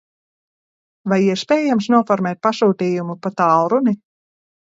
Vai iespējams noformēt pasūtījumu pa tālruni?